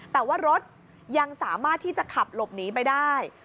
แต่ว่ารถยังสามารถที่จะขับหลบหนีไปได้